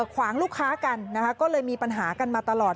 ขวางลูกค้ากันนะคะก็เลยมีปัญหากันมาตลอด